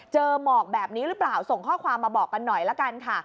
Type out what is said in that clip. หมอกแบบนี้หรือเปล่าส่งข้อความมาบอกกันหน่อยละกันค่ะ